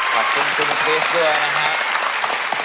ขอบคุณคุณคริสด้วยนะครับ